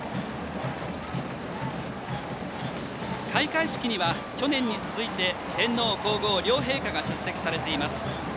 開会式には、去年に続いて天皇皇后両陛下が出席されています。